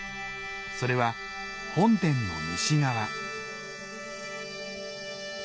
それは本殿の西側。